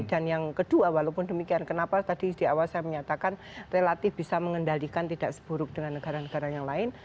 dan yang kedua walaupun demikian kenapa tadi di awal saya menyatakan relatif bisa mengendalikan tidak seburuk dengan negara negara yang lain